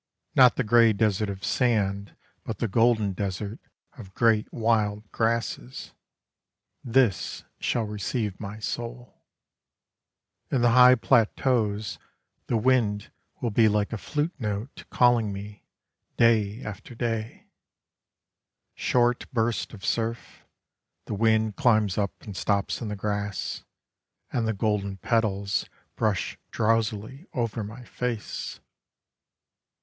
Not the grey desert of sand But the golden desert of great wild grasses, This shall receive my soul. In the high plateaus, The wind will be like a flute note calling me Day after day. Short bursts of surf, The wind climbs up and stops in the grass; And the golden petals Brush drowsily over my face.